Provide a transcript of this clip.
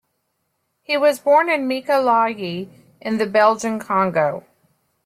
He was born in Mikalayi in the Belgian Congo.